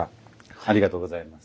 ありがとうございます。